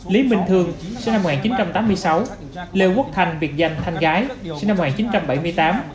lý minh thương sinh năm một nghìn chín trăm tám mươi sáu lê quốc thanh việt danh thanh gái sinh năm một nghìn chín trăm bảy mươi tám